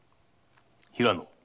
平野。